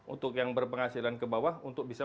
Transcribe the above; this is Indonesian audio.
untuk yang berpenghasilan ke bawah untuk bisa